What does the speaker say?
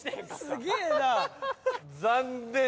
すげえなあ。